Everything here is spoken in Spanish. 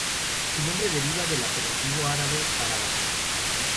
Su nombre deriva del apelativo árabe para la fruta.